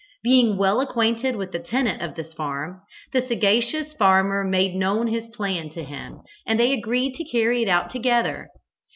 Being well acquainted with the tenant of this farm, the sagacious farmer made known his plan to him and they agreed to carry it out together.